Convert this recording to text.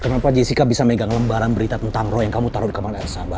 kenapa jessica bisa megang lembaran berita tentang roy yang kamu taruh di kamar el sabal